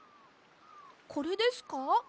これですか？